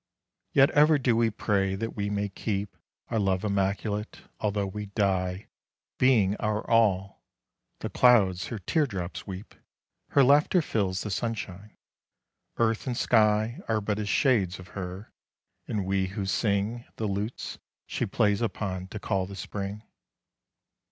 Yet ever do we pray that we may keep Our love immaculate although we die Being our all ; the clouds her teardrops weep, Her laughter fills the sunshine, earth and sky Are but as shades of her, and we who sing The lutes she plays upon to call the spring.